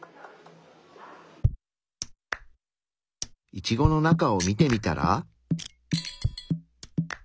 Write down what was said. イチゴの中を見てみたら。